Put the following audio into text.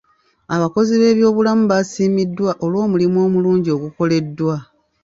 Abakozi b'ebyobulamu baasiimiddwa olw'omulimu omulungi ogukoleddwa.